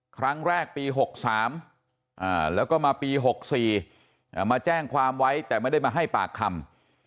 ครั้งแรกปี๖๓แล้วก็มาปี๖๔มาแจ้งความไว้แต่ไม่ได้มาให้ปากคำ